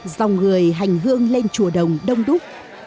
dòng người hành hương lên chùa đồng đông đúc